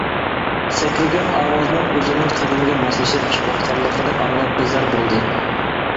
سەكرىگەن ئاۋازنىڭ ئۆزىنىڭ قەدىمىگە ماسلىشىپ چىقىۋاتقانلىقىنى ئاڭلاپ بىزار بولدى.